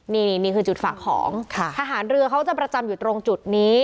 นี่นี่คือจุดฝากของทหารเรือเขาจะประจำอยู่ตรงจุดนี้